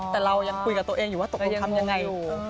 แต่เรายังคุยกับตัวเองอยู่ว่าตกลงทำยังไงอยู่